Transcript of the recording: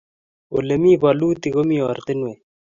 ole mi bolutik komie ortinwek